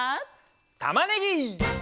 「たまねぎ！」